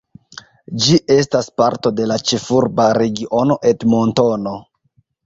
Ĝi estas parto de la Ĉefurba Regiono Edmontono.